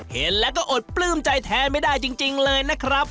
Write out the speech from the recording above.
เห็นแล้วก็อดปลื้มใจแทนไม่ได้จริงเลยนะครับ